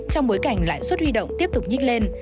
trong bối cảnh lãi suất huy động tiếp tục nhích lên